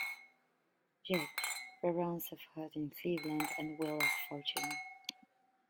Jakes", reruns of "Hot in Cleveland", and "Wheel of Fortune".